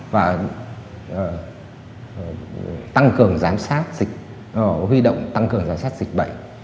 và tăng cường giám sát dịch huy động tăng cường giám sát dịch bệnh